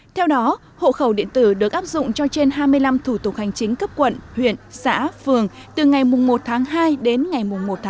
theo đó hộ khẩu điện tử được áp dụng cho trên hai mươi năm thủ tục hành chính cấp quận huyện xã phường từ ngày một tháng hai đến ngày một hai